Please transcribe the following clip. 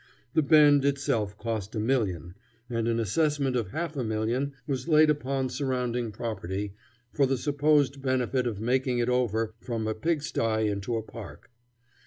The Bend itself cost a million, and an assessment of half a million was laid upon surrounding property for the supposed benefit of making it over from a pig sty into a park.